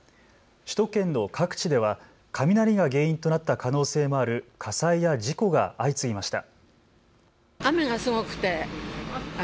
首都圏の各地では雷が原因となった可能性もある火災や事故が相次ぎました。